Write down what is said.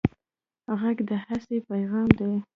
غږ د هستۍ پېغام دی